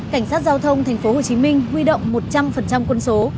cảnh sát giao thông tp hcm huy động một trăm linh quân số